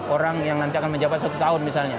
orang yang nanti akan menjabat satu tahun misalnya